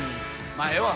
まあええわ。